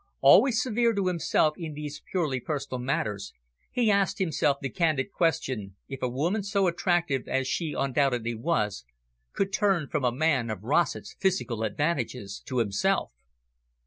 Always severe to himself in these purely personal matters, he asked himself the candid question if a woman so attractive as she undoubtedly was could turn from a man of Rossett's physical advantages to himself?